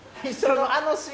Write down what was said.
どのシーン？